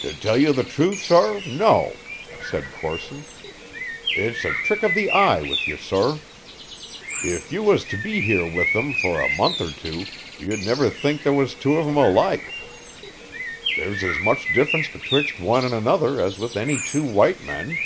"To tell you the truth, sor, no," said Corson. "It's a trick of the eye with you, sor. If you was to be here with 'em for a month or two you'd niver think there was two of 'em alike. There's as much difference betwixt one and another as with any two white men.